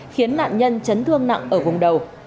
khiến nạn nhân chấn thương nặng ở vùng đầu